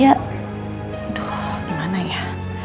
aduh gimana ya